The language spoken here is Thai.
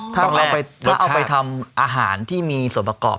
ถ้าเราเอาไปทำอาหารที่มีส่วนประกอบ